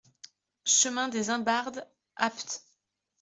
Chemin des Imbardes, Apt